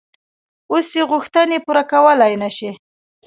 اوس یې غوښتنې پوره کولای نه شي.